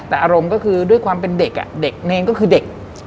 แต่อารมณ์ก็คือด้วยความเป็นเด็กเด็กเนรก็คือเด็ก